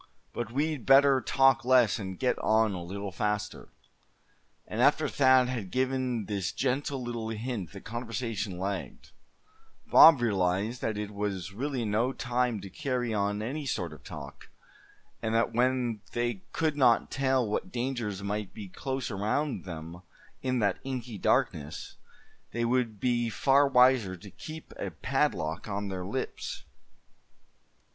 But we'd better talk less, and get on a little faster." And after Thad had given this gentle little hint the conversation lagged; Bob realized that it was really no time to carry on any sort of talk; and that when they could not tell what dangers might be close around them in that inky darkness, they would be far wiser to keep a padlock on their lips.